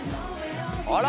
あら！